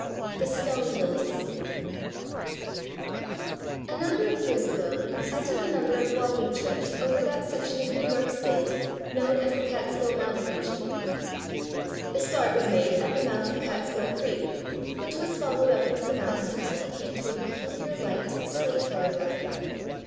THE STONE LILIES A number of years ago I took a number of walking trips over that section of New York state known as the Catskill Mountain region. The start was made at the mouth of Catskill Creek, which was followed up into the mountains until we came to a peculiar light, slate colored rock.